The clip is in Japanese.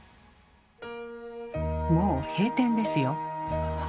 もう閉店ですよ。